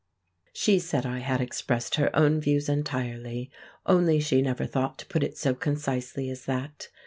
She said I had expressed her own views entirely, only she never thought to put it so concisely as that.